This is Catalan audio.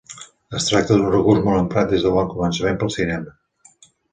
Es tracta d'un recurs molt emprat des de bon començament pel cinema.